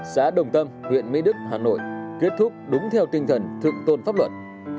xã đồng tâm huyện mê đức hà nội kết thúc đúng theo tinh thần thượng tôn pháp luật